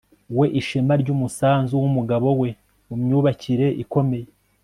we ishema ryumusanzu wumugabo we mumyubakire ikomeye